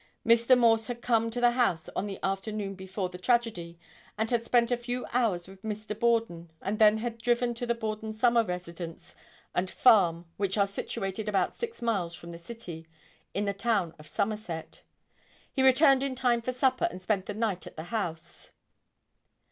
Mr. Morse had come to the house on the afternoon before the tragedy and had spent a few hours with Mr. Borden and then had driven to the Borden summer residence and farm which are situated about six miles from the city, in the town of Somerset. He returned in time for supper and spent the night in the house.